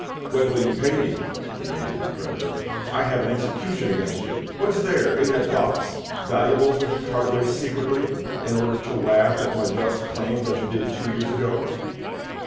"When will you pay me?" demanded the creditor. "I have an execution against you. What is there in that box? Valuables which you cart away secretly, in order to laugh at my just claims, as you did two years ago?"